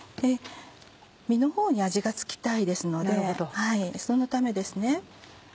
身のほうに味がつきたいですのでそのためです。